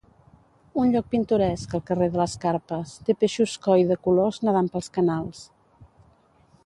Un lloc pintoresc, el carrer de les carpes, té peixos "koi" de colors nadant pels canals.